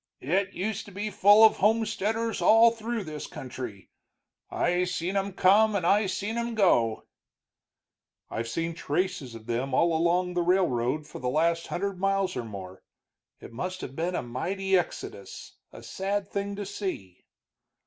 "It used to be full of homesteaders all through this country I seen 'em come and I seen 'em go." "I've seen traces of them all along the railroad for the last hundred miles or more. It must have been a mighty exodus, a sad thing to see."